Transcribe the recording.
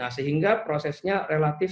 sehingga prosesnya relatif